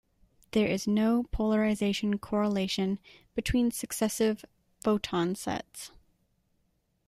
There is no polarization correlation between successive photon sets.